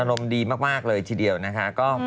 อารมณ์ดีมากเลยทีเดียวนะคะ